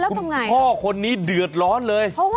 คุณพ่อคนนี้เดือดร้อนเลย